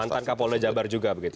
mantan kapol lejabar juga begitu